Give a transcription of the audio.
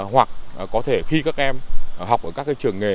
hoặc có thể khi các em học ở các trường nghề